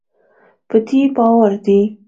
په دې باور دی